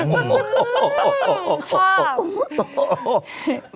อืมชอบ